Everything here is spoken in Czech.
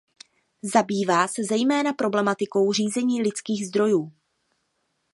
Zabývá se zejména problematikou řízení lidských zdrojů.